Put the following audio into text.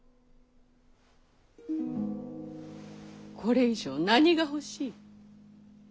これ以上何が欲しい。